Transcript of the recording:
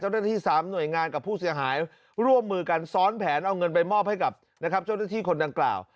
เจ้าหน้าที่๓หน่วยงานกับผู้เสียหายร่วมมือกันซ้อนแผนเอาเงินไปมอบให้กับนะครับเจ้าหน้าที่คนดังกล่าว